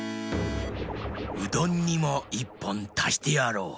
うどんにも１ぽんたしてやろう。